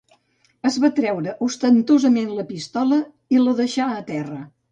Es va treure ostentosament la pistola i la deixà a terra